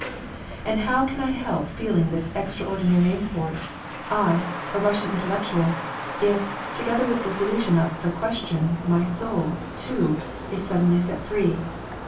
And how can I help feeling this extraordinary import, I, a Russian intellectual, if, together with the solution of the "question" my soul, too, is suddenly set free.